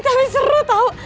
tapi seru tau